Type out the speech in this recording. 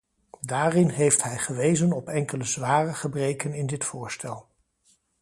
Daarin heeft hij gewezen op enkele zware gebreken in dit voorstel.